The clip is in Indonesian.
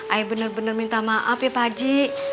ayah bener bener minta maaf ya pak haji